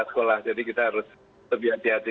sekolah jadi kita harus lebih hati hati